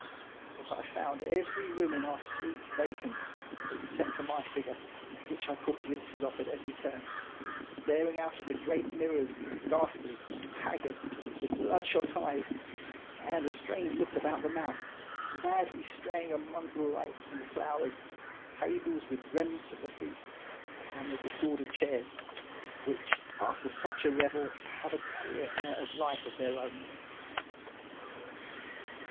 But I found every room in our suite vacant, except for my figure, which I caught glimpses of at every turn, staring out of the great mirrors, ghastly, haggard, with bloodshot eyes, and a strained look about the mouth, madly straying among the lights and 228 & 0ro0m Statement. flowers, tables with remnants of the feast, and the disordered chairs, which after such a revel have a queer air of life of their own.